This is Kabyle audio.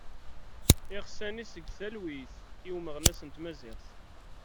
Iɣsan-is deg talwit i umeɣnas n tmaziɣt.